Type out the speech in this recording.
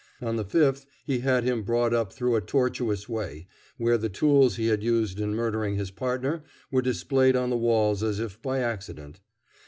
On the fifth he had him brought up through a tortuous way, where the tools he had used in murdering his partner were displayed on the walls as if by accident.